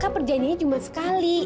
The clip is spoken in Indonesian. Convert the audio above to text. kak perjanjiannya cuma sekali